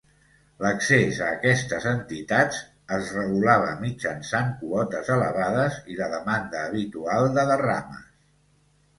L'accés a aquestes entitats es regulava mitjançant quotes elevades i la demanda habitual de derrames.